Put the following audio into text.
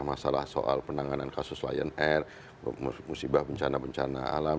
masalah soal penanganan kasus lion air musibah bencana bencana alam